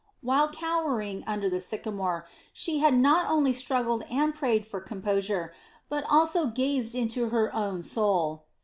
While cowering under the sycamore, she had not only struggled and prayed for composure, but also gazed into her own soul.